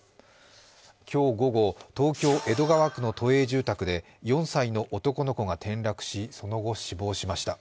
今日午後、東京・江戸川区の都営住宅で４歳の男の子が転落し、その後、死亡しました。